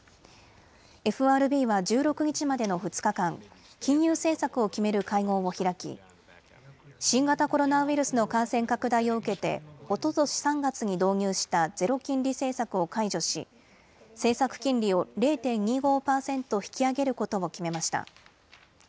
ＦＲＢは１６日までの２日間、金融政策を決める会合を開き新型コロナウイルスの感染拡大を受けておととし３月に導入したゼロ金利政策を解除し政策金利を０．２５％引き上げることを決めました。